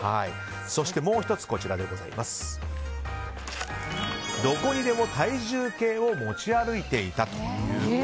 そしてもう１つが、どこにでも体重計を持ち歩いていたと。